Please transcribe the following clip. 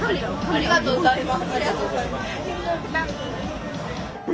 ありがとうございます。